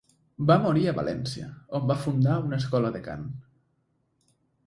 Va morir a València on va fundar una escola de cant.